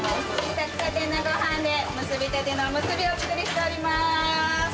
炊きたてのごはんで、むすびたてのおむすびをお作りしております。